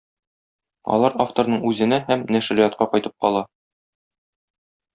Алар авторның үзенә һәм нәшриятка кайтып кала.